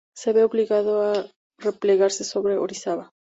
Se ve obligado a replegarse sobre Orizaba.